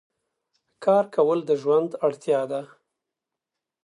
کار کول د ژوند اړتیا ده.